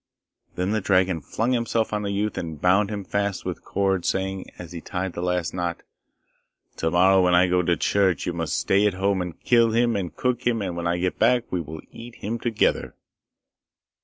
Then the dragon flung himself on the youth and bound him fast with cords saying as he tied the last knot, 'To morrow when I go to church you must stay at home and kill him and cook him, and when I get back we will eat him together.